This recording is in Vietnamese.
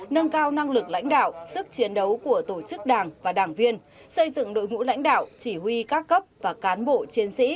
nâng cao năng lực lãnh đạo sức chiến đấu của tổ chức đảng và đảng viên xây dựng đội ngũ lãnh đạo chỉ huy các cấp và cán bộ chiến sĩ